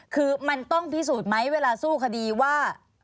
คือมันต้องพิสูจน์ไหมเวลาสู้คดีว่า